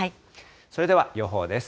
それでは予報です。